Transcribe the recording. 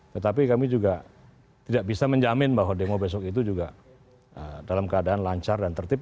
tetapi kami juga tidak bisa menjamin bahwa demo besok itu juga dalam keadaan lancar dan tertib